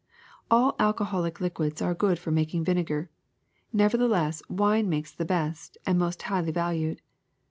All al coholic liquids are good for making vinegar ; never theless wine makes the best and most highly valued.